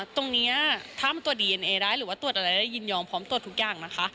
ตรงนี้ถ้ามันตรวจดีเอ็นเอได้หรือว่าตรวจอะไรได้ยินยอมพร้อมตรวจทุกอย่างนะคะ